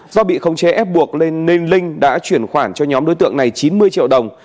do bị khống chế ép buộc nên nên linh đã chuyển khoản cho nhóm đối tượng này chín mươi triệu đồng